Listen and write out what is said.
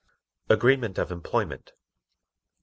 Agreement of Employment 1.